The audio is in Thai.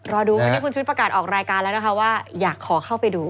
รอดูวันนี้คุณชุวิตประกาศออกรายการแล้วนะคะว่าอยากขอเข้าไปดู